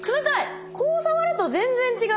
こう触ると全然違う。